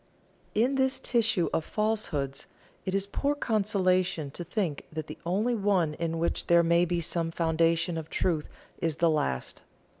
In this tissue of falsehoods, it is poor consolation to think that the only one in which there may be some foundation of truth is the last.